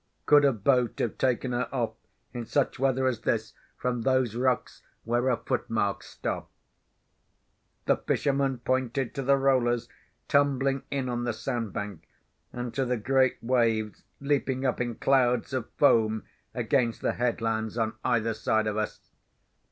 "Could a boat have taken her off, in such weather as this, from those rocks where her footmarks stop?" The fisherman pointed to the rollers tumbling in on the sand bank, and to the great waves leaping up in clouds of foam against the headlands on either side of us.